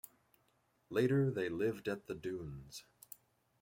Later they lived at The Dunes.